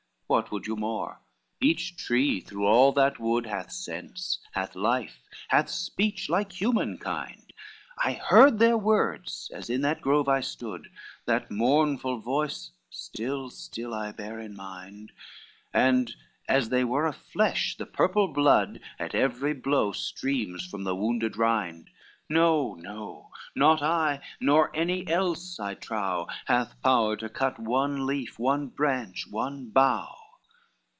XLIX "What would you more? each tree through all that wood Hath sense, hath life, hath speech, like human kind, I heard their words as in that grove I stood, That mournful voice still, still I bear in mind: And, as they were of flesh, the purple blood At every blow streams from the wounded rind; No, no, not I, nor any else, I trow, Hath power to cut one leaf, one branch, one bough."